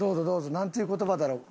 なんていう言葉だろう？